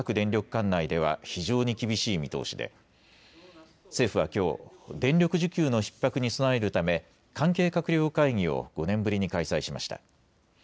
管内では非常に厳しい見通しで政府はきょう電力需給のひっ迫に備えるため関係閣僚会議を５年ぶりに開催しました。